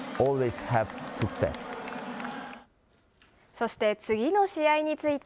そして、次の試合について。